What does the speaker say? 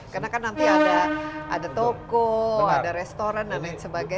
karena kan nanti ada toko ada restoran dan lain sebagainya